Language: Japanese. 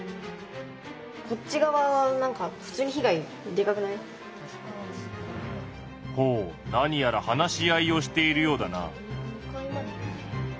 ではほう何やら話し合いをしているようだな。